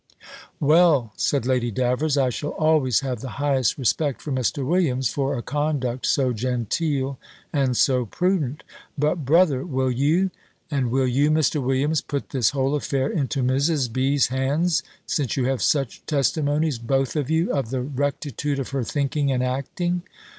"Well," said Lady Davers, "I shall always have the highest respect for Mr. Williams, for a conduct so genteel and so prudent. But, brother, will you and will you, Mr. Williams put this whole affair into Mrs. B.'s hands, since you have such testimonies, both of you, of the rectitude of her thinking and acting?"